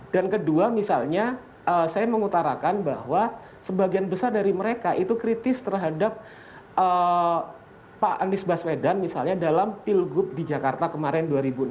dan kedua misalnya saya mengutarakan bahwa sebagian besar dari mereka itu kritis terhadap pak anies baswedan misalnya dalam pilgub di jakarta kemarin dua ribu enam belas